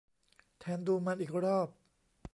แทนดูมันอีกรอบ